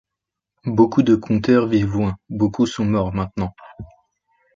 Beaucoup de conteurs vivent loin, beaucoup sont morts maintenant.